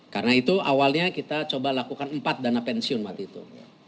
karena itu awalnya kita coba lakukan empat dana pensiun waktu itu